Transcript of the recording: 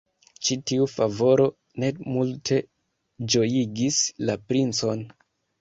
Ĉi tiu favoro ne multe ĝojigis la princon.